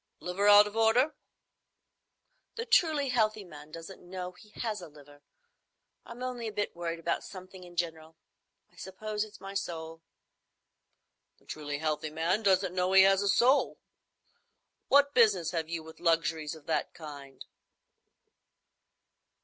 "Liver out of order?" "The truly healthy man doesn't know he has a liver. I'm only a bit worried about things in general. I suppose it's my soul." "The truly healthy man doesn't know he has a soul. What business have you with luxuries of that kind?"